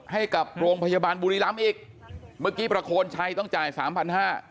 ให้กับโรงพยาบาลบุรีรัมศ์อีกเมื่อกี้ประโคนชัยต้องจ่าย๓๕๐๐บาท